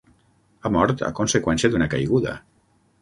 Ha mort a conseqüència d'una caiguda.